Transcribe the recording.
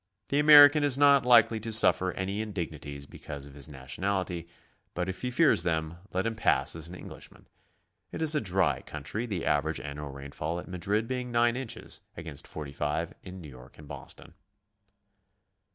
The American is not likelly to suffer any indignities because of his nationality, but if he fear's them, let him pass as an Eng lishman. It is a dry country, the average annual rainfall at Madrid being g inches against 45 in New York and Boston.